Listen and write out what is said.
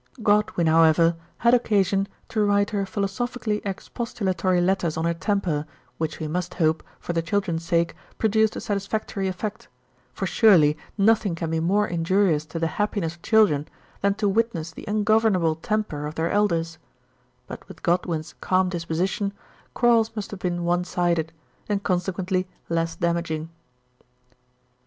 Godwin, however, had occasion to write her philosophically expostulatory letters on her temper, which we must hope, for the children's sake, produced a satisfactory effect ; for surely nothing can be more injurious to the happiness of children than to witness the ungovernable temper of their elders ; but with Godwin's calm disposition, quarrels must have been one sided, and consequently less damaging.